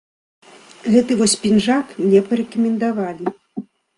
Гэты вось пінжак мне парэкамендавалі.